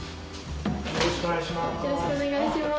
よろしくお願いします。